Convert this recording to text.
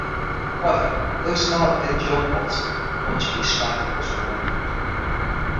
However, although Smolarek did join Bolton, the Portuguese striker also remained at the club.